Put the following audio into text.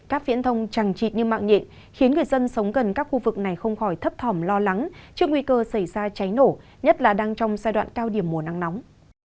các viễn thông chẳng chịt như mạng nhịn khiến người dân sống gần các khu vực này không khỏi thấp thỏm lo lắng trước nguy cơ xảy ra cháy nổ nhất là đang trong giai đoạn cao điểm mùa nắng nóng